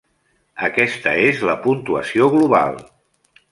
Aquesta és la puntuació global.